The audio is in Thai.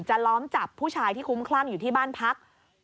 ล้อมจับผู้ชายที่คุ้มคลั่งอยู่ที่บ้านพัก